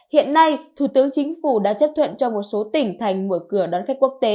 hiện nay thủ tướng chính phủ đã chấp thuận cho một số tỉnh thành mở cửa đón khách quốc tế